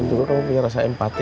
lo penuh kamu punya rasa empati